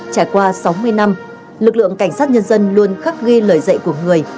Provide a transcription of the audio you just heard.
trải qua sáu mươi năm lực lượng cảnh sát nhân dân luôn khắc ghi lời dạy của người